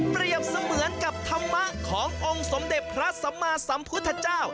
เสมือนกับธรรมะขององค์สมเด็จพระสัมมาสัมพุทธเจ้า